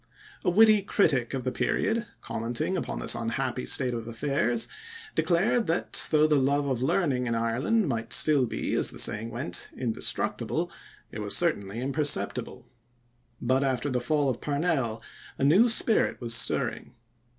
A witty critic of the period, commenting upon this unhappy state of affairs, declared that, though the love of learning in Ireland might still be, as the saying went, indestructible, it was certainly imperceptible. But after the fall of Parnell a new spirit was stirring.